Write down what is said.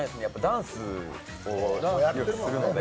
ダンスをよくするので。